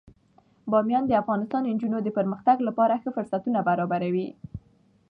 بامیان د افغان نجونو د پرمختګ لپاره ښه فرصتونه برابروي.